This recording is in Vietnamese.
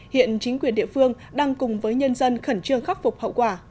hiện chính quyền địa phương đang cùng với nhân dân khẩn trương khắc phục hậu quả